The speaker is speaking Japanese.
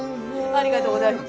ありがとうございます。